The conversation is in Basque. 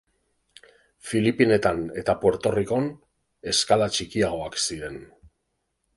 Filipinetan eta Puerto Ricon eskala txikiagoak ziren.